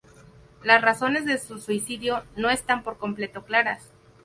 Las razones de su suicidio no están por completo claras.